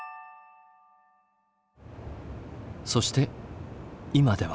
そして今では。